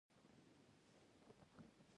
هلته له مسلط کلتور سره سیالي روانه وه.